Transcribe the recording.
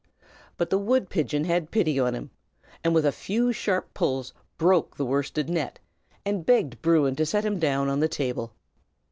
But the wood pigeon had pity on him, and with a few sharp pulls broke the worsted net, and begged Bruin to set him down on the table.